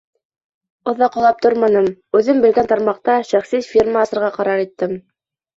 Оҙаҡ уйлап торманым, үҙем белгән тармаҡта шәхси фирма асырға ҡарар иттем.